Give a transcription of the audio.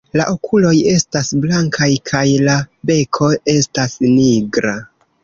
La okuloj estas blankaj kaj la beko estas nigra.